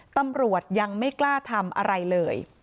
ตำรวจยังไม่กล้าทำอะไรเลย